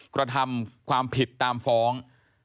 กระทำความผิดตามฟ้อง